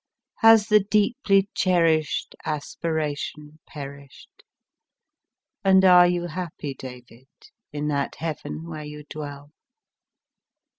Has the deeply cherish d Aspiration perished, And are you happy, David, in that heaven where you dwell